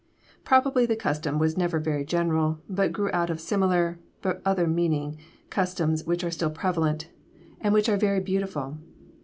Probably the custom was never very general, but grew out of similar but other meaning customs which are still prevalent, and which are very beautiful.